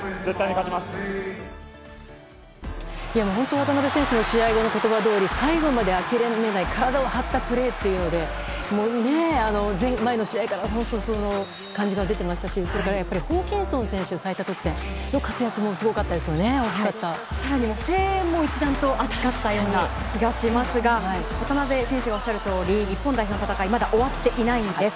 渡邊選手の試合後の言葉どおり最後まで諦めない体を張ったプレーっていうので前の試合から本当にその感じが出ていましたし、それからホーキンソン選手の最多得点の活躍も更には、声援も一段と熱かったような気がしますが渡邊選手がおっしゃるとおり日本代表の戦いはまだ終わっていないんです。